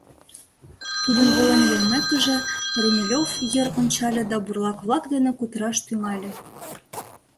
Тудын волен йоммекыже, Румелёв йыр ончале да бурлак-влак дене кутыраш тӱҥале.